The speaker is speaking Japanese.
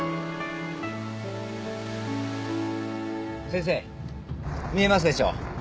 先生見えますでしょう。